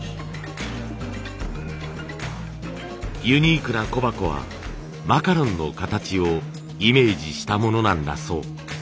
ユニークな小箱はマカロンの形をイメージしたものなんだそう。